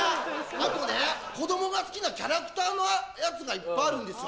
あと子供が好きなキャラクターのやつがいっぱいあるんですよ。